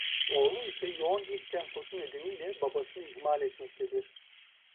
Oğlu ise yoğun iş temposu nedeniyle babasını ihmal etmektedir.